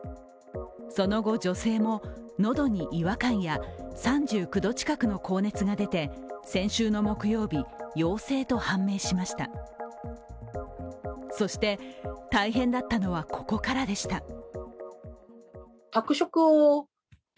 その後、女性も、喉に違和感や３９度近くの高熱が出て先週の木曜日、陽性と判明しましたそして、大変だったのは、ここからでした。